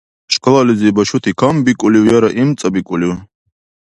Школализи башути камбикӀулив яра имцӀабикӀулив